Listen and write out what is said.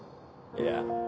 いや